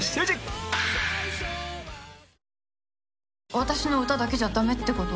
私の歌だけじゃダメってこと？